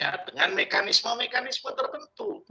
ya dengan mekanisme mekanisme tertentu